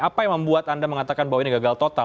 apa yang membuat anda mengatakan bahwa ini gagal total